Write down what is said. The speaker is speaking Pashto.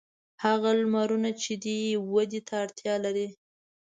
هغه لمرونه چې دی یې ودې ته اړتیا لري.